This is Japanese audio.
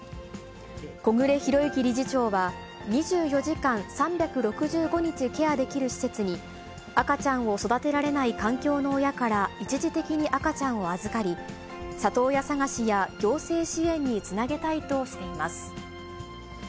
小暮裕之理事長は、２４時間３６５日ケアできる施設に、赤ちゃんを育てられない環境の親から一時的に赤ちゃんを預かり、里親探しや行政支援につなげたいとしています。